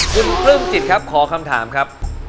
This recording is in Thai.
คุณปลื้มจิตครับขอคำถามครับ